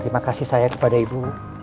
terima kasih saya kepada ibu